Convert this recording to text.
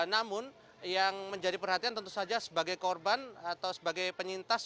namun yang menjadi perhatian tentu saja sebagai korban atau sebagai penyintas